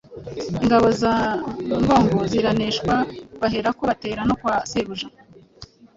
ingabo za Ngogo ziraneshwa baherako batera no kwa sebuja